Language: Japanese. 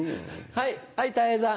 はい。